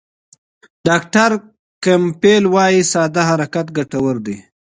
ډاکټر کمپبل وايي ساده حرکت ګټور دی.